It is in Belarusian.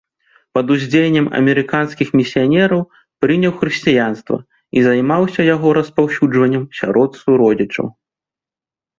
Пад уздзеяннем амерыканскіх місіянераў прыняў хрысціянства і займаўся яго распаўсюджваннем сярод суродзічаў.